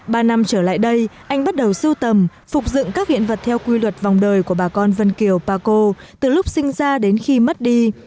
ba năm trở lại đây anh bắt đầu sưu tầm phục dựng các hiện vật theo quy luật vòng đời của bà con vân kiều paco từ lúc sinh ra đến khi mất đi